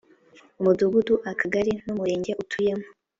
Umudugudu Akagari n Umurenge utuyemo